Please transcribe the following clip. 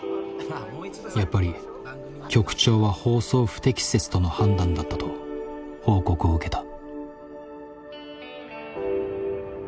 やっぱり局長は放送不適切との判断だったと報告を受けた。